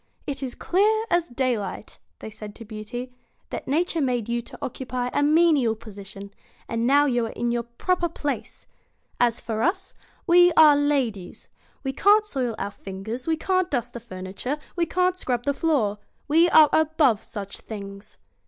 'It is clear as daylight,' said they to Beauty; 'that Nature made you to occupy a menial position, and now you are in your proper place. As for us, we are ladies. We can't soil our fingers, we can't dust the furniture, we can't scrub the floor. We are above such things.'